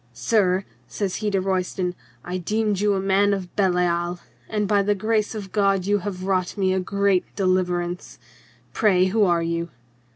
"Sir," says he to Royston, "I deemed you a man of Belial, and by the grace of God you have wrought me a great deliverance. Pray, who are you